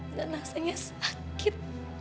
dan rasanya sakit